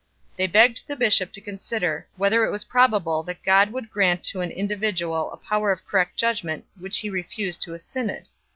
They begged the bishop to consider, whether it was pro bable that God would grant to an individual a power of correct judgment which He refused to a synod 2 .